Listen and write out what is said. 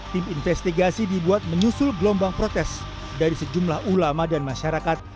tim investigasi dibuat menyusul gelombang protes dari sejumlah ulama dan masyarakat